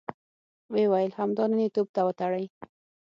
ويې ويل: همدا نن يې توپ ته وتړئ!